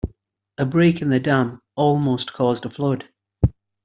A break in the dam almost caused a flood.